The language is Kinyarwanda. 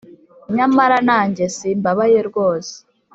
nyamara nanjye simbabaye rwose.